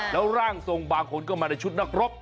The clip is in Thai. แล้วร่างทรงบางคนก็มาในชุดนักรบ